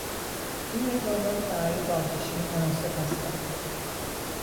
این حیوانات برای بارکشی مناسب هستند.